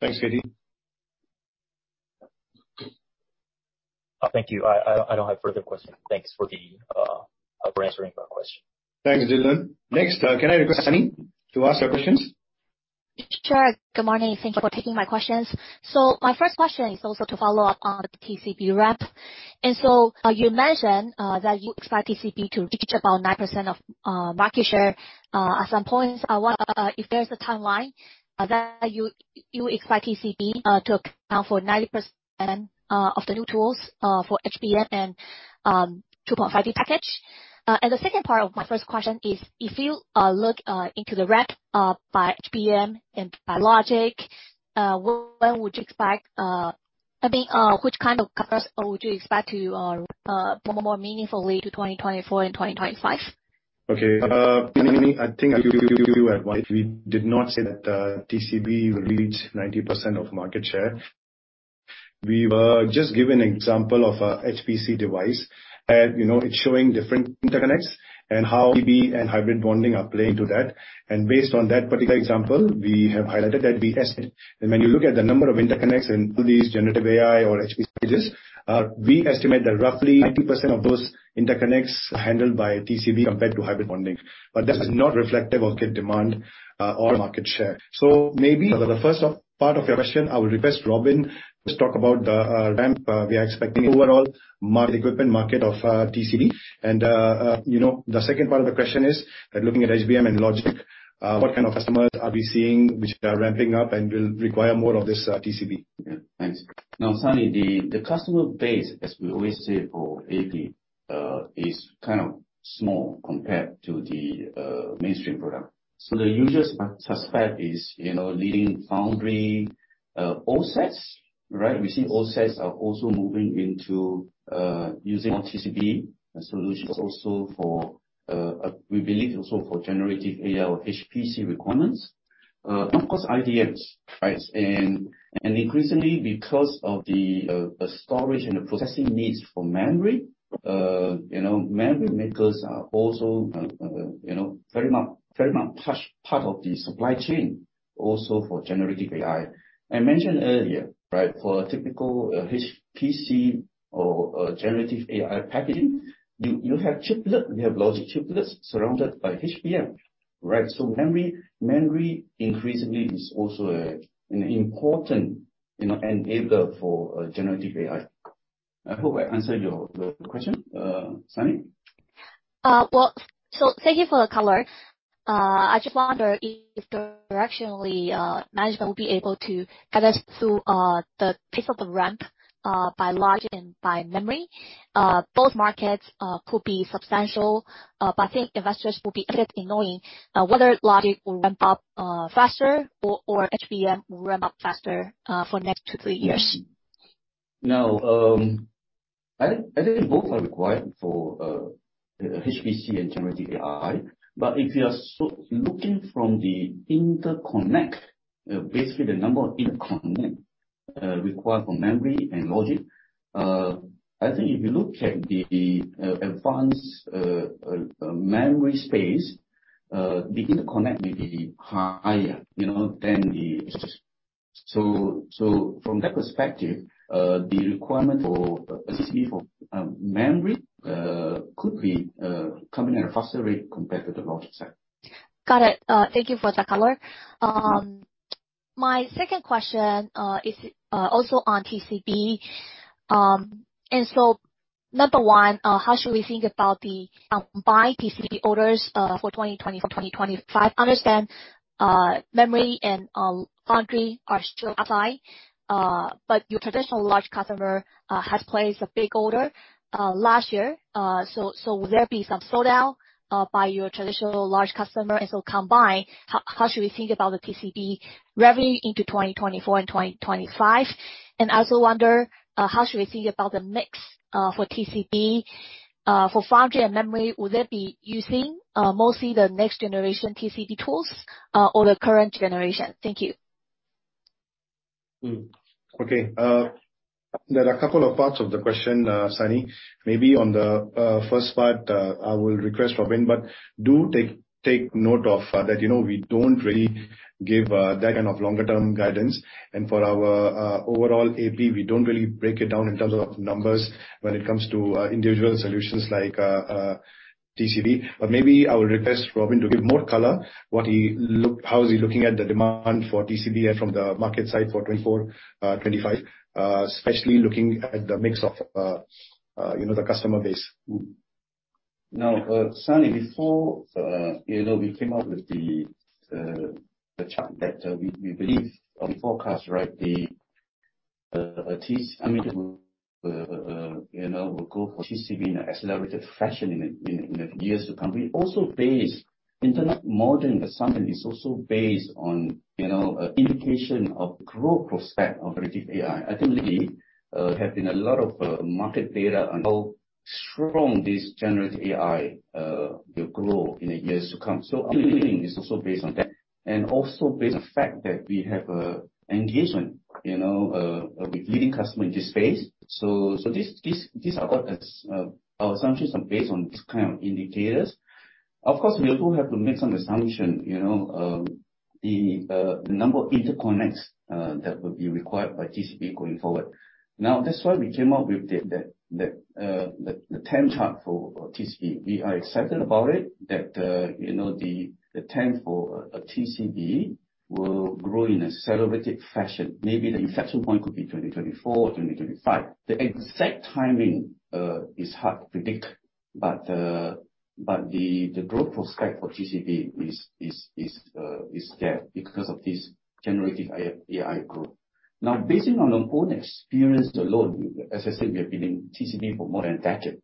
Thanks, Katy. Thank you. I don't have further questions. Thanks for the for answering my question. Thanks, Dylan. Can I request Sunny to ask her questions? Sure. Good morning. Thank you for taking my questions. My first question is also to follow up on the TCB rep. You mentioned that you expect TCB to reach about 9% of market share at some point. I wonder if there's a timeline that you expect TCB to account for 90% of the new tools for HBM and 2.5D package. The second part of my first question is, if you look into the rep by HBM and by logic, when would you expect? I mean, which kind of customers would you expect to more meaningfully to 2024 and 2025? Okay. I think you, you are right. We did not say that TCB will reach 90% of market share. We were just giving an example of a HPC device. You know, it's showing different interconnects and how TCB and hybrid bonding are playing to that. Based on that particular example, we have highlighted that we estimate. When you look at the number of interconnects in these generative AI or HPC stages, we estimate that roughly 90% of those interconnects are handled by TCB compared to hybrid bonding. This is not reflective of the demand or market share. Maybe for the first part of your question, I would request Robin, just talk about the ramp we are expecting overall market, equipment market of TCB. you know, the second part of the question is looking at HBM and logic, what kind of customers are we seeing which are ramping up and will require more of this, TCB? Thanks. Sunny, the customer base, as we always say, for AP, is kind of small compared to the mainstream product. The usual suspect is, you know, leading foundry, OSATs, right? We see OSATs are also moving into using TCB solutions also for, we believe also for generative AI or HPC requirements. Of course, IDMs, right? Increasingly, because of the storage and the processing needs for memory, you know, memory makers are also, you know, very much part of the supply chain, also for generative AI. I mentioned earlier, right, for a typical HPC or generative AI packaging, you have chiplet, you have logic chiplets surrounded by HBM, right? Memory increasingly is also an important, you know, enabler for generative AI. I hope I answered the question, Sunny. Thank you for the color. I just wonder if directionally, management will be able to guide us through the pace of the ramp by logic and by memory. Both markets could be substantial, but I think investors will be interested in knowing whether logic will ramp up faster or HBM will ramp up faster for next two to three years. I think both are required for HPC and generative AI. If you are looking from the interconnect, basically the number of interconnect required for memory and logic, I think if you look at the advanced memory space, the interconnect may be higher, you know, than the HPC. From that perspective, the requirement for, especially for memory, could be coming at a faster rate compared to the logic side. Got it. Thank you for the color. My second question is also on TCB. Number one, how should we think about the buy TCB orders for 2024, 2025? Understand memory and foundry are still apply, but your traditional large customer has placed a big order last year. Will there be some slowdown by your traditional large customer? Combined, how should we think about the TCB revenue into 2024 and 2025? I also wonder how should we think about the mix for TCB for foundry and memory? Will they be using mostly the next generation TCB tools or the current generation? Thank you. Okay. There are a couple of parts of the question, Sunny. Maybe on the first part, I will request Robin, but do take note of that, you know, we don't really give that kind of longer-term guidance. For our overall AP, we don't really break it down in terms of numbers when it comes to individual solutions like TCB. Maybe I will request Robin to give more color, how is he looking at the demand for TCB from the market side for 2024, 2025, especially looking at the mix of, you know, the customer base. Now, Sunny, before, you know, we came up with the chart that we believe, we forecast, right, I mean, the, you know, we go for TCB in an accelerated fashion in the years to come. We also based Internet model assumption is also based on, you know, indication of growth prospect of generative AI. I think there have been a lot of market data on how strong this generative AI will grow in the years to come. I'm thinking it's also based on that, and also based on the fact that we have engagement, you know, with leading customer in this space. This are our assumptions are based on this kind of indicators. Of course, we also have to make some assumption, you know, the number of interconnects that will be required by TCB going forward. That's why we came up with the TAM chart for TCB. We are excited about it, that, you know, the time for TCB will grow in an accelerated fashion. Maybe the inflection point could be 2024 or 2025. The exact timing is hard to predict, but the growth prospect for TCB is there because of this generative AI growth. Based on our own experience alone, as I said, we have been in TCB for more than a decade,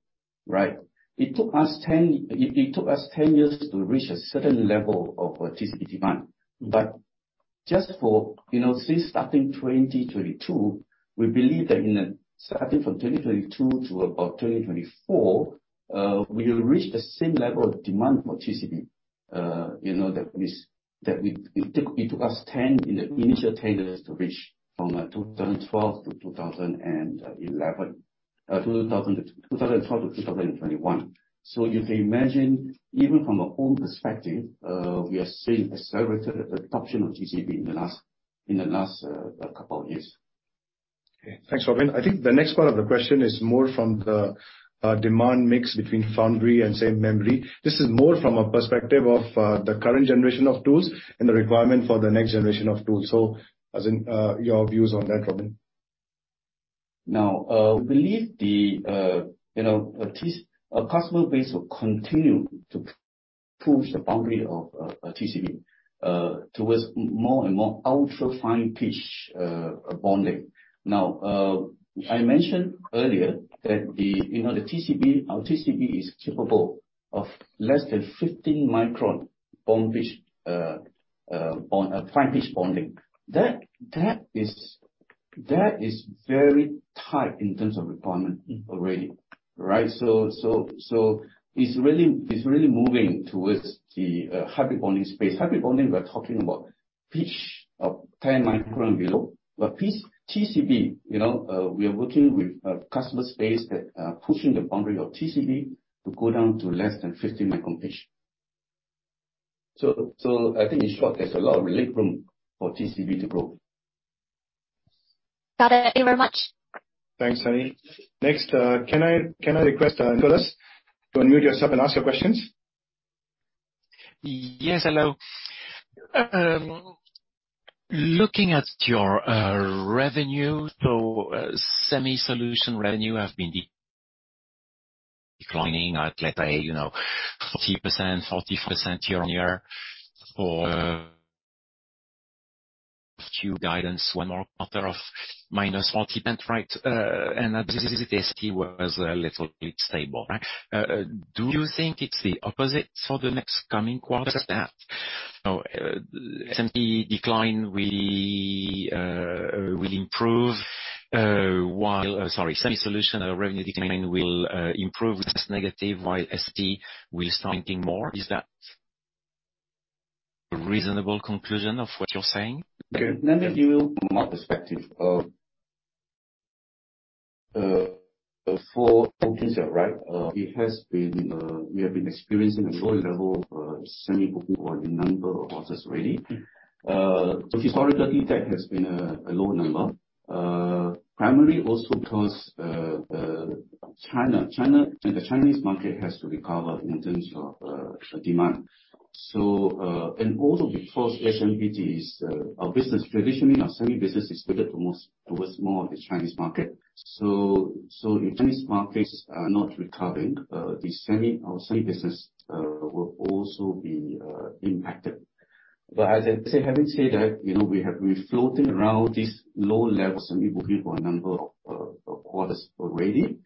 right? It took us 10 years to reach a certain level of TCB demand. Just for, you know, since starting 2022, we believe that starting from 2022 to about 2024, we will reach the same level of demand for TCB, you know, that is, that we, it took us 10, in the initial 10 years to reach from 2012-2011. 2012-2021. You can imagine, even from our own perspective, we are seeing accelerated adoption of TCB in the last couple of years. Okay. Thanks, Robin. I think the next part of the question is more from the demand mix between foundry and, say, memory. This is more from a perspective of the current generation of tools and the requirement for the next generation of tools. As in, your views on that, Robin? We believe the, you know, a customer base will continue to push the boundary of TCB towards more and more ultra fine pitch bonding. I mentioned earlier that the, you know, the TCB, our TCB is capable of less than 15 micron bond pitch bond fine pitch bonding. That is very tight in terms of requirement already, right? It's really moving towards the hybrid bonding space. Hybrid bonding, we're talking about pitch of 10 micron below. Pitch TCB, you know, we are working with customer space that pushing the boundary of TCB to go down to less than 50 micron pitch. I think in short, there's a lot of room for TCB to grow. Got it. Thank you very much. Thanks, Sunny. Next, can I request, Nicholas, to unmute yourself and ask your questions? Hello. Looking at your revenue, semi-solution revenue has been declining at 40%, 44% year-on-year for Q guidance, one more quarter of -40%, right? This was a little bit stable, right? Do you think it's the opposite for the next coming quarters, SMT decline will improve while sorry, semi-solution revenue decline will improve negative, while SMT will start thinking more? Is that a reasonable conclusion of what you're saying? Okay. Let me give you more perspective. It has been, we have been experiencing a low level of semi booking for a number of quarters already. Historically, that has been a low number, primarily also because the Chinese market has to recover in terms of demand. Also because SMT is our business. Traditionally, our semi business is weighted towards more of the Chinese market. The Chinese markets are not recovering, the semi, our semi business will also be impacted. As I say, having said that, you know, we have been floating around this low level semi booking for a number of quarters already.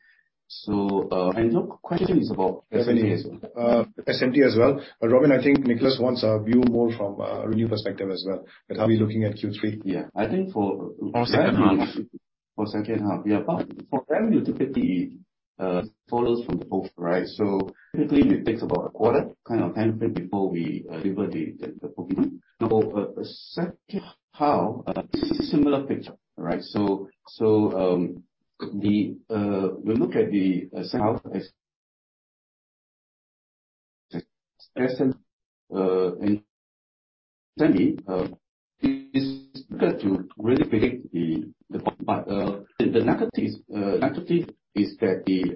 The question is about SMT as well? SMT as well. Robin, I think Nicholas wants a view more from, a revenue perspective as well, and how we looking at Q3. Yeah. I think. For second half. For second half, yeah. For them, typically, follows from both, right? Typically, it takes about a quarter kind of timeframe before we deliver the booking. Second half, similar picture, right? The, we look at the, as, and tell me, is to really predict the negative is that the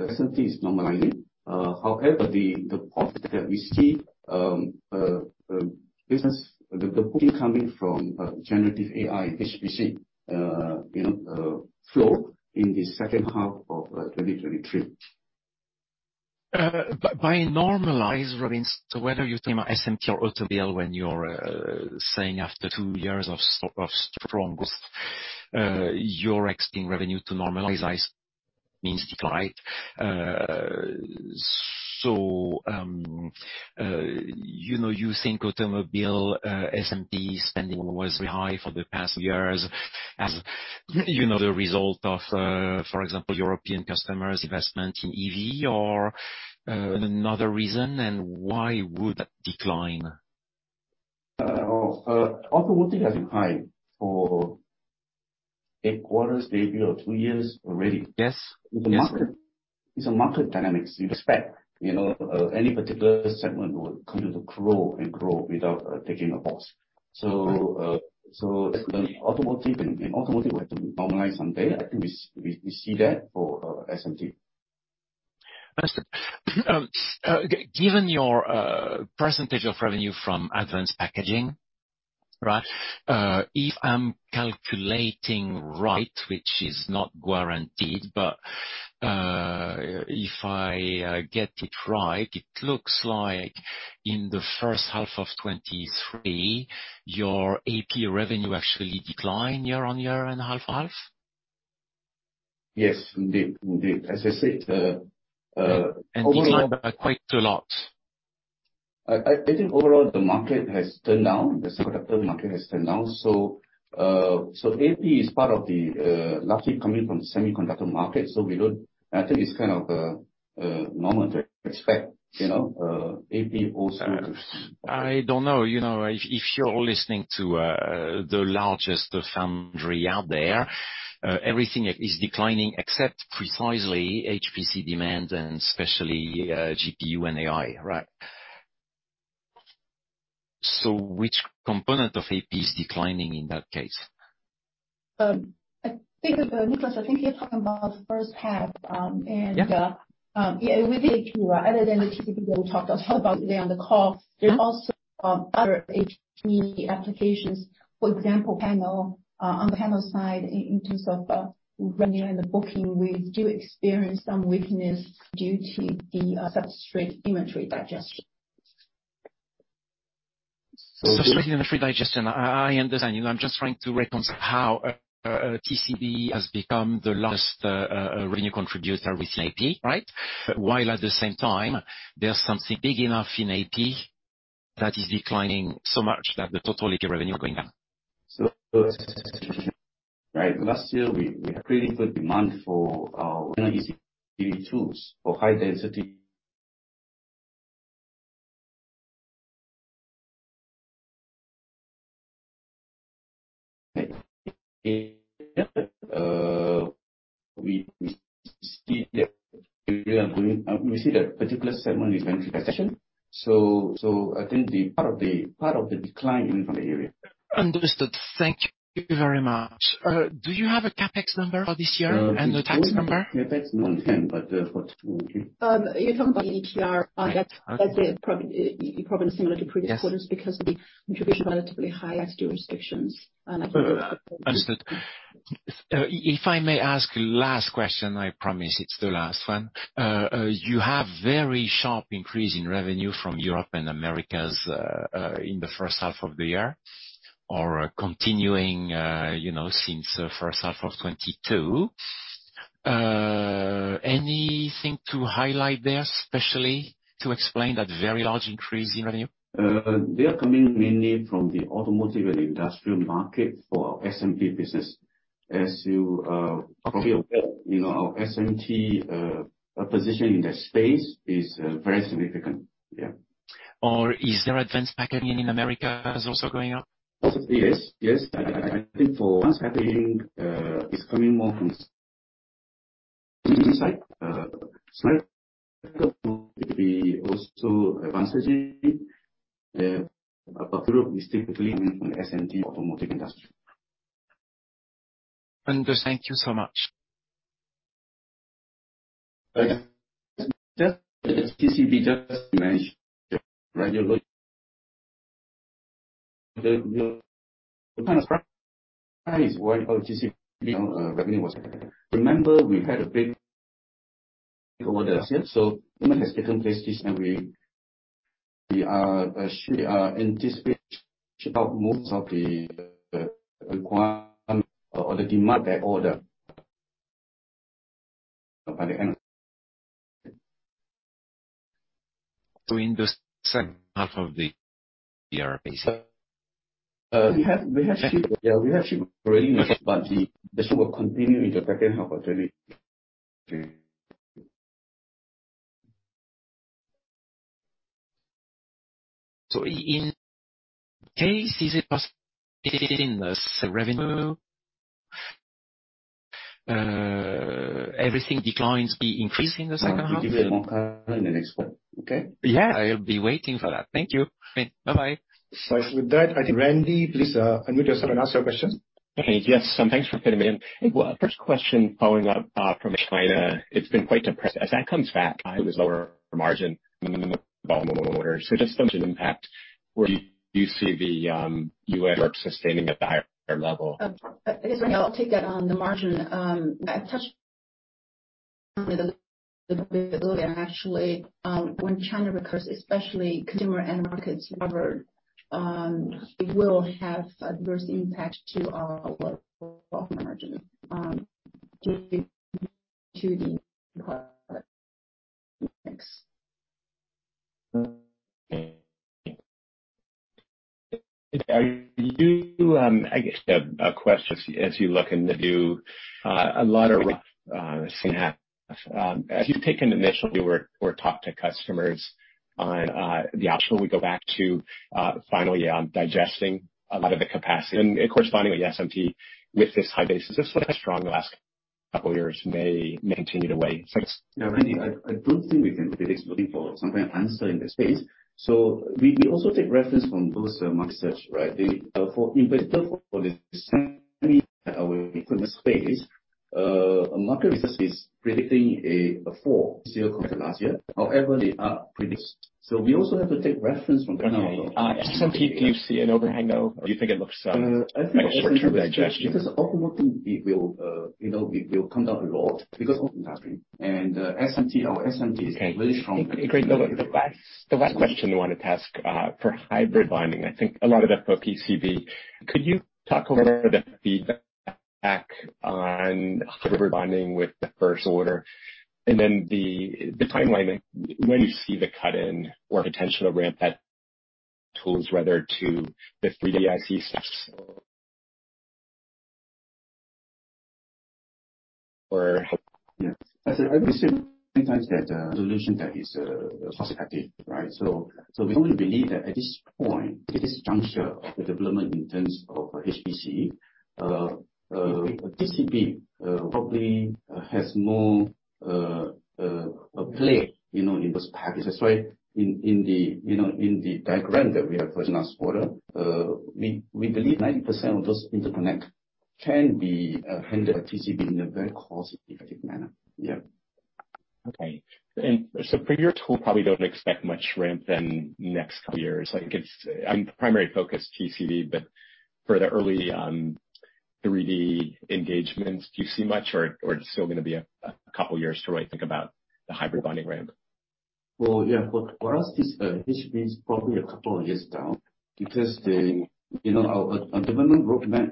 SMT is normalizing. The point that we see, business, the booking coming from generative AI HPC, you know, flow in the second half of 2023. By normalize, Robin, whether you're talking about SMT or automobile, when you're saying after two years of strong growth, you're expecting revenue to normalize, means decline. You know, you think automobile, SMT spending was very high for the past years, as, you know, the result of, for example, European customers' investment in EV or another reason. Why would that decline? Automotive has been high eight quarters, maybe, or two years already. Yes. Yes. It's a market, it's a market dynamics you'd expect, you know, any particular segment will continue to grow and grow without taking a pause. As the automotive, in automotive, we have to normalize someday. I think we see that for SMT. Understood. Given your percentage of revenue from advanced packaging, right? If I'm calculating right, which is not guaranteed, but if I get it right, it looks like in the first half of 2023, your AP revenue actually declined year-on-year and half. Yes, indeed. As I said. Declined by quite a lot. I think overall, the market has turned down, the semiconductor market has turned down. AP is part of the, largely coming from the semiconductor market. I think it's kind of normal to expect, you know, AP also- I don't know, you know, if you're listening to, the largest foundry out there, everything is declining except precisely HPC demand and especially, GPU and AI, right? Which component of AP is declining in that case? Nicholas, I think you're talking about first half. Yeah. Yeah, with AP, other than the TCB we talked about on the call, there are also other AP applications. For example, panel, on panel side, in terms of revenue in the booking, we do experience some weakness due to the substrate inventory digestion. Substrate inventory digestion. I understand. You know, I'm just trying to reconcile how TCB has become the largest revenue contributor within AP, right? While at the same time, there's something big enough in AP that is declining so much that the total AP revenue going down. Right. Last year, we had really good demand for our tools for high density. We see that particular segment expansion. I think the part of the decline in that area. Understood. Thank you very much. Do you have a CapEx number for this year and the tax number? CapEx, not yet, but, for two. If you talk about the ETR, that's probably similar to previous quarters. Yes. Because of the contribution, relatively high jurisdictions, and I think. Understood. If I may ask last question, I promise it's the last one. You have very sharp increase in revenue from Europe and Americas, in the first half of the year, or continuing, you know, since the first half of 2022. Anything to highlight there, especially to explain that very large increase in revenue? They are coming mainly from the automotive and industrial market for SMT business. You know, our SMT position in that space is very significant. Is there advanced packaging in Americas also going up? Yes. I think for advanced packaging, it's coming more from site would be also advancing. Is typically coming from the SMT automotive industry. Thank you so much. Okay. Just TCB, just to manage, right? The kind of surprise why our TCB revenue was... Remember, we had a big orders here. Has taken place this quarter. We are anticipate ship out most of the require or the demand, that order by the end. In the second half of the year, basically. We have shipped, yeah, we have shipped already. The ship will continue in the second half of 2023. In case it was in the revenue, everything declines be increasing in the second half? Give me more time in the next one. Okay? Yeah, I'll be waiting for that. Thank you. Bye-bye. With that, I think, Randy, please, unmute yourself and ask your question. Okay. Yes, thanks for fitting me in. I think, first question following up, from China, it's been quite depressed. As that comes back, it was lower margin than the orders. Just the impact, where do you see the U.S. sustaining at the higher level? I guess I'll take that on the margin. I touched on the ability, actually, when China recovers, especially consumer end markets recover, it will have adverse impact to our margin, due to the thanks. Are you, I guess, a question as you look into the new, a lot of smartphones. As you've taken initially, we talk to customers on the optional, we go back to finally on digesting a lot of the capacity and corresponding with SMT, with this high basis, just like a strong last couple of years may maintain either way. Thanks. Randy, I don't think we can be expecting for some kind of answer in the space. We also take reference from those market research, right? For investment for the same, we put the space, market research is predicting a fall this year compared to last year. However, they are predicts. We also have to take reference from that. Okay. SMT, do you see an overhang, though, or do you think it looks like a short-term digestion? Because automotive, it will, you know, it will come down a lot because of the industry and SMT, our SMT is very strong. Great. The last question I wanted to ask, for hybrid bonding, I think a lot of that for PCB. Could you talk a little bit about the feedback on hybrid bonding with the first order, and then the timeline, when you see the cut-in or potential to ramp that tools, whether to the 3D IC steps or? Yeah. As I said, sometimes that solution that is cost effective, right? We only believe that at this point, at this juncture of the development in terms of HPC, TCB, probably, has more, a play, you know, in those packages. That's why in the, you know, in the diagram that we have the last quarter, we believe 90% of those interconnect can be handled by TCB in a very cost effective manner. Yeah. For your tool, probably don't expect much ramp then next couple years. Like, it's primary focus TCB, but for the early 3D engagements, do you see much, or it's still going to be a couple years to really think about the hybrid bonding ramp? Well, yeah, for us, this means probably two years down, because, you know, our development roadmap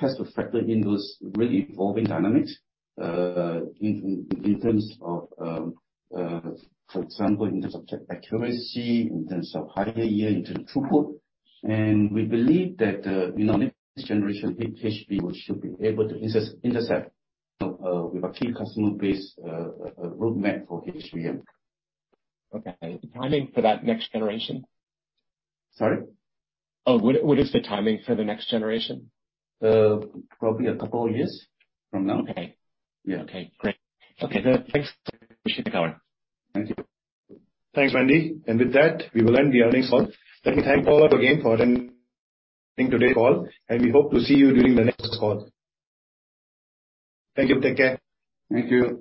has to factor in those really evolving dynamics, in terms of, for example, in terms of accuracy, in terms of higher yield, in terms of throughput. We believe that, you know, next generation HBM, which should be able to inter-intercept, with our key customer base, roadmap for HBM. Okay. Timing for that next generation? Sorry? Oh, what is the timing for the next generation? Probably a couple of years from now. Okay. Yeah. Okay, great. Okay, thanks. Appreciate the cover. Thank you. Thanks, Randy. With that, we will end the earnings call. Let me thank all of you again for attending today's call, and we hope to see you during the next call. Thank you. Take care. Thank you.